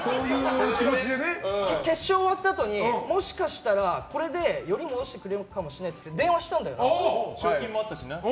決勝が終わったあとにもしかしたら、これでより戻してくれるかもしれないって言って賞金もあったからね。